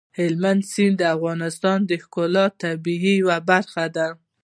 هلمند سیند د افغانستان د ښکلي طبیعت یوه برخه ده.